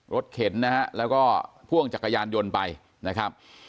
เข็นนะฮะแล้วก็พ่วงจักรยานยนต์ไปนะครับ